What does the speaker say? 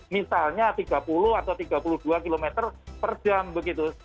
misalnya tiga puluh atau tiga puluh dua km per jam begitu